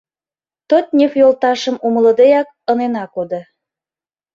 Тотнев йолташым умылыдеак ынена кодо.